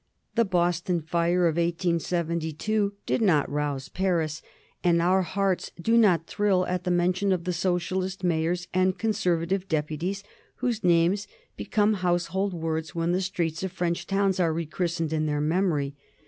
The Boston fire of 1872 did not rouse Paris, and our hearts do not thrill at the mention of the Socialist mayors and Conservative deputies whose names become household words when the streets of French towns are rechristened in their memory.